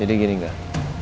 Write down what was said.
jadi gini nggak